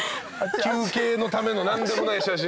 休憩のための何でもない写真。